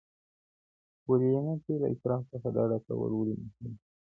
په وليمه کي له اسراف څخه ډډه کول ولي مهم دي؟